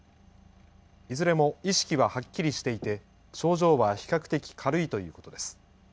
いずれも意識ははっきりしていて症状は比較的軽いということです。